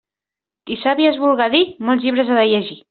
Qui savi es vulga dir, molts llibres ha de llegir.